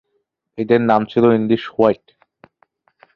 এদের নাম ছিলো ইংলিশ হোয়াইট।